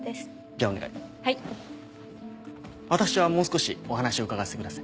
私はもう少しお話を伺わせてください。